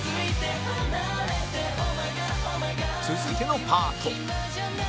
続いてのパート